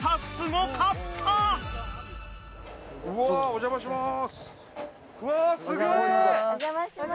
お邪魔します。